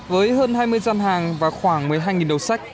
với hơn hai mươi dân hàng và khoảng một mươi hai người đọc